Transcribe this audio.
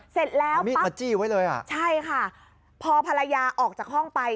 เสร็จแล้วปั๊บใช่ค่ะพอภรรยาออกจากห้องไป